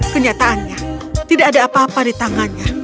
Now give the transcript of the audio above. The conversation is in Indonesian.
kenyataannya tidak ada apa apa di tangannya